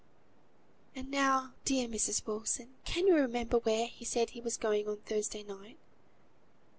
"And now, dear Mrs. Wilson, can you remember where he said he was going on Thursday night?